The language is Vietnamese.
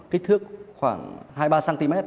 kích thước khoảng hai ba cm